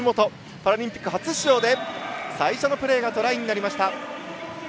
パラリンピック初出場で最初のプレーがトライになりました。